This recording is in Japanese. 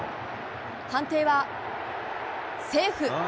判定はセーフ！